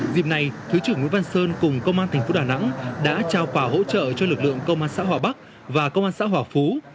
dịp này thứ trưởng nguyễn văn sơn cùng công an thành phố đà nẵng đã trao quà hỗ trợ cho lực lượng công an xã hòa bắc và công an xã hòa phú